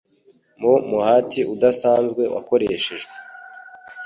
Mu muhati udasanzwe wakoreshejwe